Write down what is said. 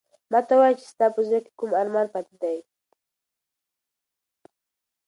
ما ته وایه چې ستا په زړه کې کوم ارمان پاتې دی؟